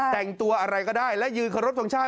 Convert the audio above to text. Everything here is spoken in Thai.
แต่งตัวอะไรก็ได้และยืนขอรบทรงชาติ